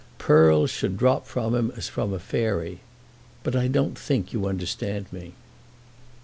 Pearls should drop from him as from a fairy. But I don't think you understand me."